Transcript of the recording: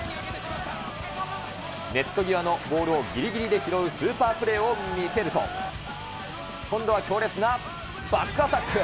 ネット際のボールをぎりぎりで拾うスーパープレーを見せると、今度は強烈なバックアタック。